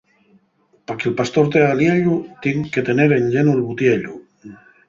Pa que'l pastor tea aliellu tien que tener enllenu'l butiellu.